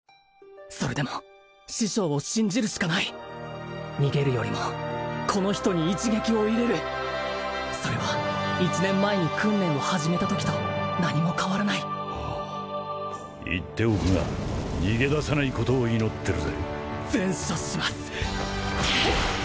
それでも師匠を信じるしかない逃げるよりもこの人に一撃を入れるそれは１年前に訓練を始めたときと何も変わらない言っておくが逃げ出さないことを祈ってるぜ善処します